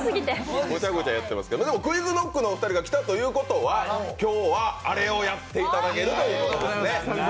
でもＱｕｉｚＫｎｏｃｋのお二人が来たということは今日はあれをやっていただけるということですね。